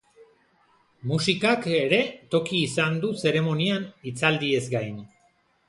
Musikak ere toki izan du zeremonian, hitzaldiez gain.